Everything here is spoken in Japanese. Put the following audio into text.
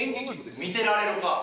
見てられるか。